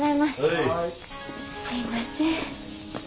すいません。